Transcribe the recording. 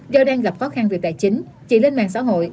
do đang gặp khó khăn về tài chính chị lên mạng xã hội